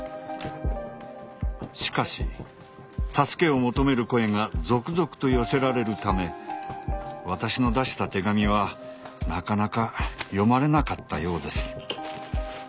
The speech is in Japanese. しかし助けを求める声が続々と寄せられるため私の出した手紙はなかなか読まれなかったようです。